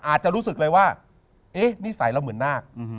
อาจจะรู้สึกเลยว่านิสัยเราเหมือนนาค